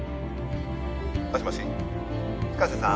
☎もしもし深瀬さん